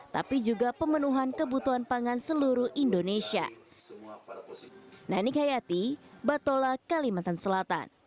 tapi juga pemenuhan kebutuhan pangan seluruh indonesia